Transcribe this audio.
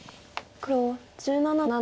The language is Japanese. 黒７の七。